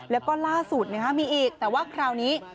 แล้วก็ล่าสุดมีอีกแต่ว่าคราวนี้